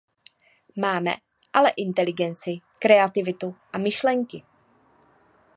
Máme ale inteligenci, kreativitu a myšlenky.